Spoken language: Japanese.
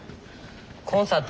コンサートはね